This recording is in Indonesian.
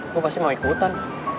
gue pasti mau ikutan